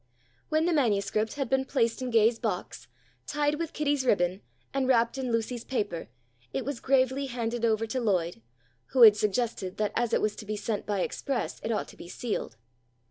When the manuscript had been placed in Gay's box, tied with Kitty's ribbon and wrapped in Lucy's paper, it was gravely handed over to Lloyd, who had suggested that as it was to be sent by express it ought to be sealed.